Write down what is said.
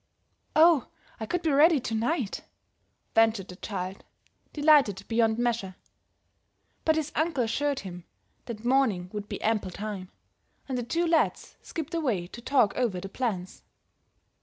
"Oh, I could be ready to night," ventured the child, delighted beyond measure. But his uncle assured him the morning would be ample time, and the two lads skipped away to talk over the plans.